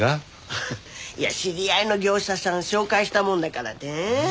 いや知り合いの業者さん紹介したもんだからね。